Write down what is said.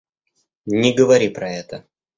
Не говори про это.